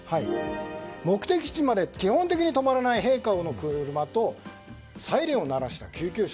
目的地まで基本的に止まらない陛下の車とサイレンを鳴らした救急車。